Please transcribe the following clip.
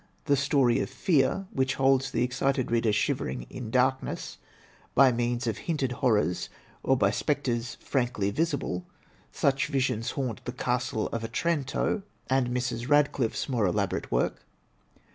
The story of fear, which holds the excited reader shivering in darkness, by means of hinted horrors or by spectres frankly visible. Such visions haimt the 'Castle of Otranto' and Mrs. Radcliffe's more elaborate work.